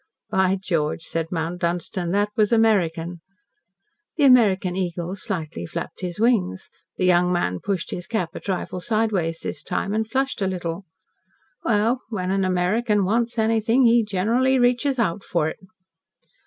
"By George!" said Mount Dunstan. "That was American." The American eagle slightly flapped his wings. The young man pushed his cap a trifle sideways this time, and flushed a little. "Well, when an American wants anything he generally reaches out for it."